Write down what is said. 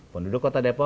penduduk kota depok